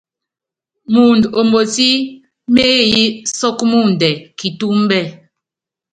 Mɔɔnd omotí meéyí sɔ́k mɔɔndɛ kitúmbɛ́.